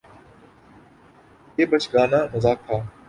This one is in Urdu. یہ بچگانہ مذاق تھا